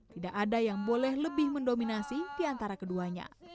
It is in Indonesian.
tidak ada yang boleh lebih mendominasi di antara keduanya